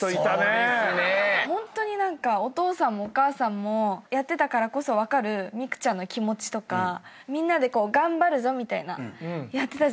ホントにお父さんもお母さんもやってたからこそ分かる美空ちゃんの気持ちとかみんなで頑張るぞみたいなやってたじゃないですか。